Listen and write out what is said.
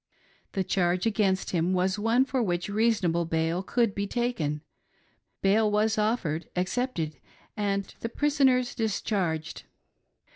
The charge against him was one for which reasonable bail could be taken : bail was offered, accepted, and the prisoners discharged.